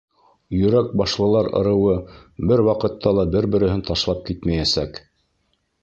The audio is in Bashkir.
— Йөрәк башлылар ырыуы бер ваҡытта ла бер-береһен ташлап китмәйәсәк!